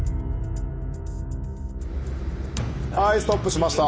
はいストップしました。